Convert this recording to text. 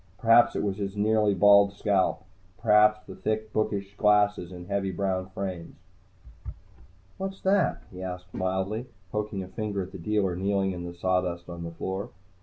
Perhaps it was his nearly bald scalp, perhaps the thick, bookish glasses in heavy brown frames. "What's that?" he asked mildly, poking a finger at the dealer kneeling in the sawdust on the floor.